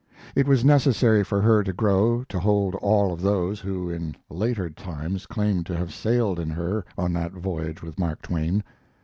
It was necessary for her to grow to hold all of those who in later times claimed to have sailed in her on that voyage with Mark Twain.